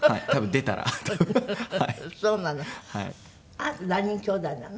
あなた何人きょうだいなの？